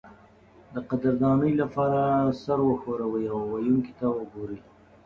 د قدردانۍ لپاره سر وښورئ او ویونکي ته وګورئ.